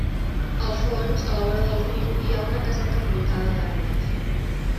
Al fons, a la vora del riu, hi ha una caseta envoltada d'arbres.